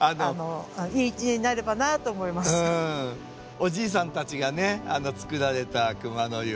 おじいさんたちがねつくられた熊の湯。